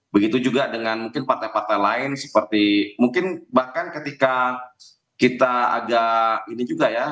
begitu juga dengan mungkin partai partai lain seperti mungkin bahkan ketika kita agak ini juga ya